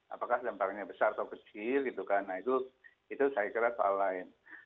apakah dampaknya besar atau kecil itu saya kira soal lain